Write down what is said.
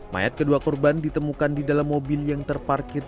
mayat kedua korban ditemukan di dalam mobil yang terparkir